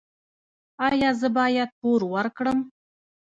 ایا زه باید پور ورکړم؟